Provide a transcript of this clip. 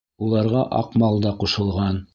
Уларға Аҡмал да ҡушылған.